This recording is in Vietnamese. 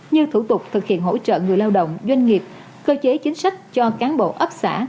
như thủ tục thực hiện hỗ trợ người lao động doanh nghiệp cơ chế chính sách cho cán bộ ấp xã